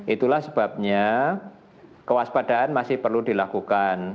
itulah sebabnya kewaspadaan masih perlu dilakukan